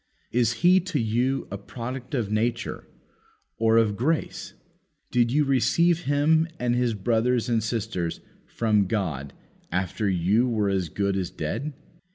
Is he to you a product of nature, or of grace? Did you receive him and his brothers and sisters from God after you were as good as dead?